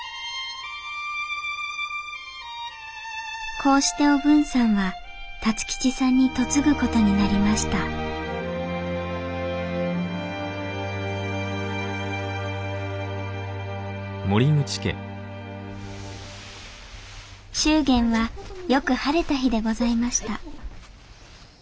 こうしておぶんさんは辰吉さんに嫁ぐ事になりました祝言はよく晴れた日でございました